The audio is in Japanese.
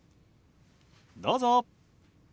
どうぞ。